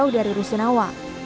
jauh dari rusunawa